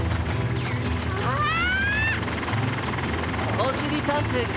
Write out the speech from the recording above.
おしりたんていくん！